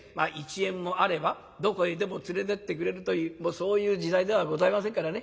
１円もあればどこへでも連れてってくれるというそういう時代ではございませんからね